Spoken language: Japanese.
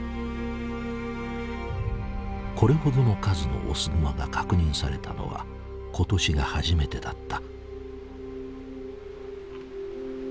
これほどの数のオスグマが確認されたのは今年が初めてだった。